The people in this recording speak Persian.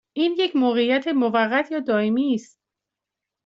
این یک موقعیت موقت یا دائمی است؟